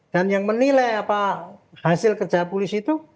dan yang menilai apa hasil kerja polisi itu